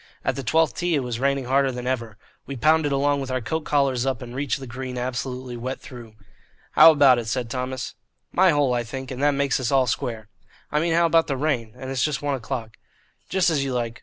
At the twelfth tee it was raining harder than ever. We pounded along with our coat collars up and reached the green absolutely wet through. "How about it?" said Thomas. "My hole, I think, and that makes us all square." "I mean how about the rain? And it's just one o'clock." "Just as you like.